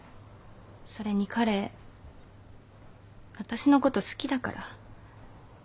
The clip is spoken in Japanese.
それに彼私のこと好きだから。